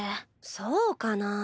そうかな？